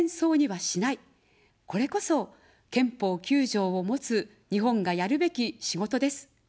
これこそ、憲法９条を持つ日本がやるべき仕事です。